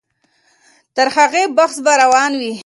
تر هغې بحث به روان وي.